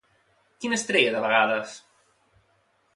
Quin es treia de vegades?